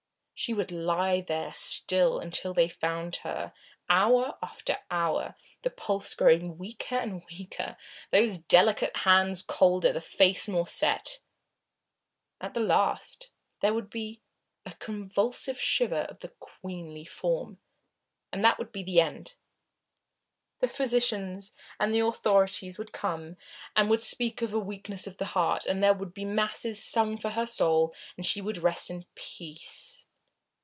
She would lie there still, until they found her, hour after hour, the pulse growing weaker and weaker, the delicate hands colder, the face more set. At the last, there would be a convulsive shiver of the queenly form, and that would be the end. The physicians and the authorities would come and would speak of a weakness of the heart, and there would be masses sung for her soul, and she would rest in peace.